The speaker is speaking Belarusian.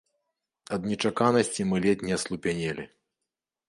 Ад нечаканасці мы ледзь не аслупянелі.